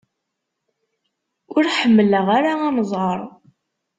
Ur ḥemmleɣ ara anẓar.